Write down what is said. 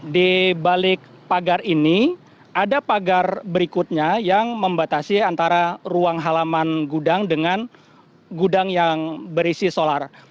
di balik pagar ini ada pagar berikutnya yang membatasi antara ruang halaman gudang dengan gudang yang berisi solar